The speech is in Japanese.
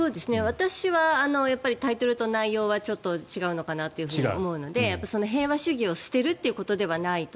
私はタイトルと内容はちょっと違うのかなと思うので平和主義を捨てるということではないと。